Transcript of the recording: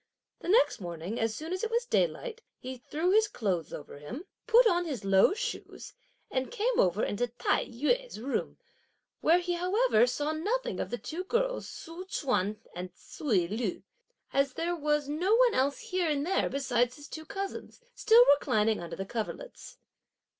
The next morning, as soon as it was daylight, he threw his clothes over him, put on his low shoes and came over into Tai yü's room, where he however saw nothing of the two girls Tzu Chüan and Ts'ui Lu, as there was no one else here in there besides his two cousins, still reclining under the coverlets.